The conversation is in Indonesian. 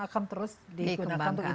akan terus digunakan